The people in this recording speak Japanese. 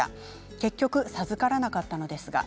結局、授からなかったのですが。